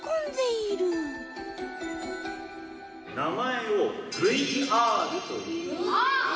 名前をＶＲといいます。